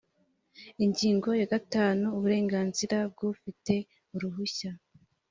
ingingo ya gatanu uburenganzira bw ufite uruhushya